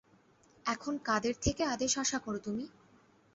এখন কাদের থেকে আদেশ আশা করো তুমি?